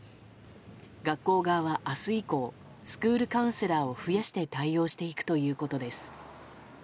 学校側は明日以降スクールカウンセラーを増やして対応していくということです。